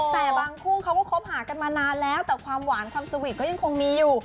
แต่บางคู่เขาก็คบหากันมานานแล้วแต่ความหวานความสวีทก็ยังคงมีอยู่